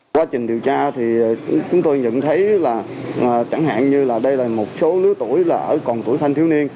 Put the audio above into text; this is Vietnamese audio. quá trình điều tra thì chúng tôi nhận thấy là chẳng hạn như là đây là một số lứa tuổi là ở còn tuổi thanh thiếu niên